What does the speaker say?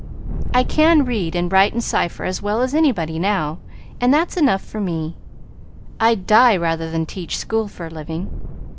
I can read and write and cipher as well as anybody now, and that's enough for me. I'd die rather than teach school for a living.